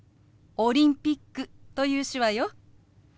「オリンピック」という手話よ。